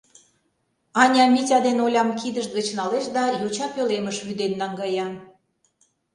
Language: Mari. Аня Митя ден Олям кидышт гыч налеш да йоча пӧлемыш вӱден наҥгая.